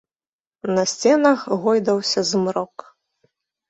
На сценах гойдаўся змрок.